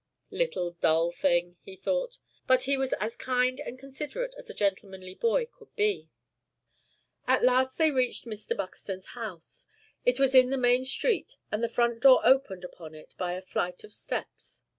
"Little dull thing!" he thought; but he was as kind and considerate as a gentlemanly boy could be. At last they reached Mr. Buxton's house. It was in the main street, and the front door opened upon it by a flight of steps.